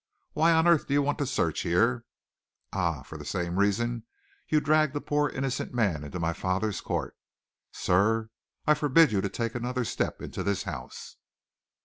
Why on earth do you want to search here? Ah, for the same reason you dragged a poor innocent man into my father's court! Sir, I forbid you to take another step into this house."